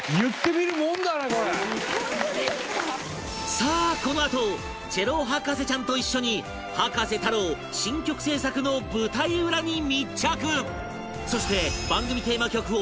さあこのあとチェロ博士ちゃんと一緒に葉加瀬太郎新曲制作の舞台裏に密着！